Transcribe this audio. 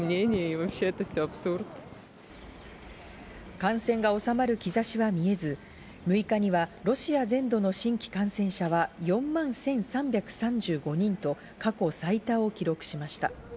感染が収まる兆しは見えず、６日にはロシア全土の新規感染者は４万１３３５人と過去最多を記録しました。